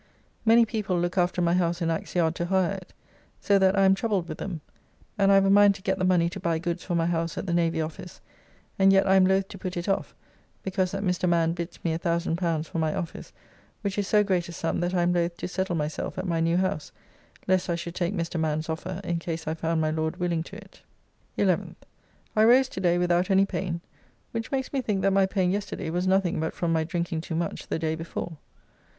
Many people look after my house in Axe yard to hire it, so that I am troubled with them, and I have a mind to get the money to buy goods for my house at the Navy Office, and yet I am loth to put it off because that Mr. Man bids me L1000 for my office, which is so great a sum that I am loth to settle myself at my new house, lest I should take Mr. Man's offer in case I found my Lord willing to it. 11th. I rose to day without any pain, which makes me think that my pain yesterday was nothing but from my drinking too much the day before.